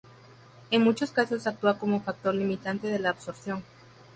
En muchos casos actúa como factor limitante de la absorción.